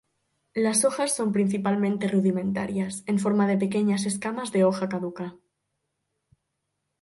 Las hojas son principalmente rudimentarias, en forma de pequeñas escamas de hoja caduca.